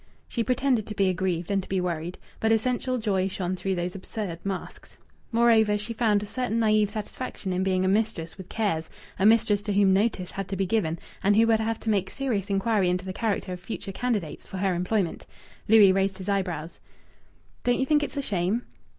She pretended to be aggrieved and to be worried, but essential joy shone through these absurd masks. Moreover, she found a certain naïve satisfaction in being a mistress with cares, a mistress to whom "notice" had to be given, and who would have to make serious inquiry into the character of future candidates for her employment. Louis raised his eyebrows. "Don't you think it's a shame?"